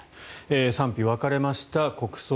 賛否分かれました国葬